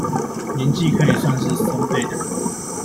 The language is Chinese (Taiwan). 年紀可以算是孫輩的人